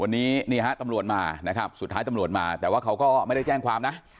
วันนี้นี่ฮะตำรวจมานะครับสุดท้ายตำรวจมาแต่ว่าเขาก็ไม่ได้แจ้งความนะ